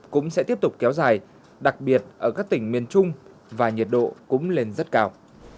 cũng sẽ tiếp tục kéo dài đặc biệt ở các tỉnh miền trung và nhiệt độ cũng lên rất cao